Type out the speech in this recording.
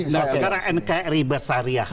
nah sekarang nkri bersyariah